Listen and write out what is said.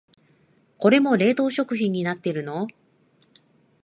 これも冷凍食品になってるの？